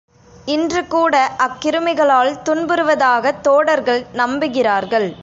இன்றுகூட அக்கிருமிகளால் துன்புறுவதாகத் தோடர்கள் நம்புகிறார்கள்.